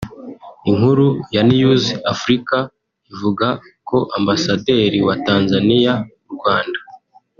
Inkuru ya News Africa ivuga ko Ambasaderi wa Tanzania mu Rwanda